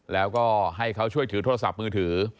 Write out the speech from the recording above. แล้วก็ให้เขาช่วยถือโทรศัพท์มือถือ